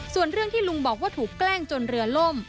ส่วนเรื่องที่ลุงบอกว่าถูกแกล้งจนเรือล่ม